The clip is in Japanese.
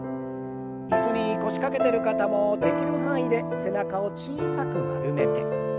椅子に腰掛けてる方もできる範囲で背中を小さく丸めて。